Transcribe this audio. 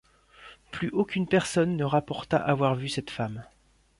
Plus aucune personne ne rapporta avoir vu cette femme.